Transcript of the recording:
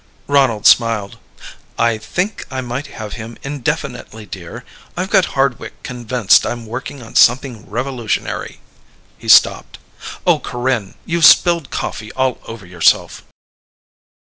Ronald smiled. "I think I might have him indefinitely, dear. I've got Hardwick convinced I'm working on something revolutionary." He stopped. "Oh, Corinne! You've spilled coffee all over yourself."